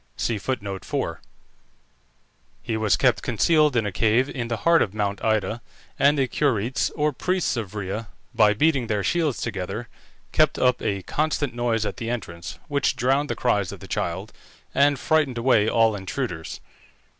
He was kept concealed in a cave in the heart of Mount Ida, and the Curetes, or priests of Rhea, by beating their shields together, kept up a constant noise at the entrance, which drowned the cries of the child and frightened away all intruders.